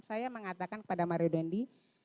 saya mengatakan kepada mario dendi